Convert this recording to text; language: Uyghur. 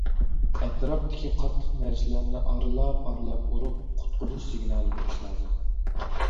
ئەتراپتىكى قاتتىق نەرسىلەرنى ئارىلاپ- ئارىلاپ ئۇرۇپ، قۇتقۇزۇش سىگنالى بېرىش لازىم.